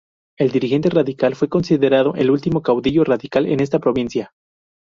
El dirigente radical, fue considerado el último caudillo radical en esta provincia.